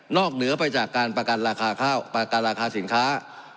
เหนือไปจากการประกันราคาข้าวประกันราคาสินค้า